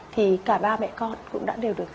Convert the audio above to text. thì cả ba mẹ con cũng đã đều được